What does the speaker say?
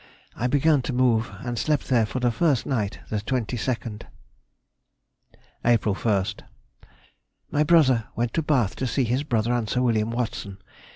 I began to move, and slept there for the first night, the 22nd. April 1st.—My brother went to Bath to see his brother and Sir William Watson.